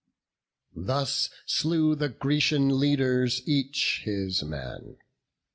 Thus slew the Grecian leaders each his man.